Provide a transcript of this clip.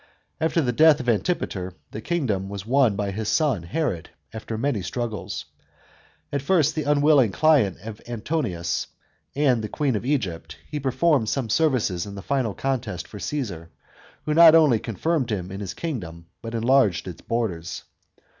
After the death of Antipater the kingdom was won by his son Herod, after many struggles. At first the unwilling client of Antonius and the queen of Egypt, he performed some services in the final contest for Caesar, who not only confirmed him in his kingdom, but enlarged its borders.